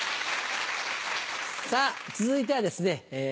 さぁ続いてはですね